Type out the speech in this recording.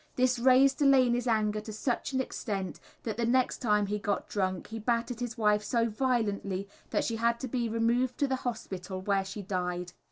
This raised Delaney's anger to such an extent that the next time he got drunk he battered his wife so violently that she had to be removed to the hospital, where she died.